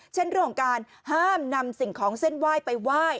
เช่นเรื่องของการห้ามนำสิ่งของเส้นไหว้ไปไหว้